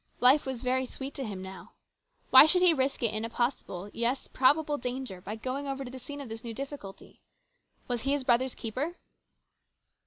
Life was very sweet to him now. Why should he risk it in a possible, yes, probable danger, by going over to the scene of this new difficulty. Was he his brother's keeper